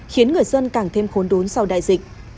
khiến người dân càng thêm khốn đốn sau đại dịch